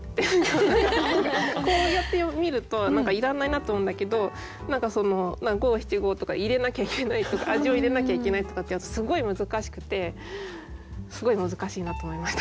こうやって見るといらないなと思うんだけど何かその五七五とか入れなきゃいけないとか味を入れなきゃいけないとかってすごい難しくてすごい難しいなと思いました。